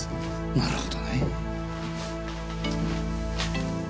なるほどねぇ。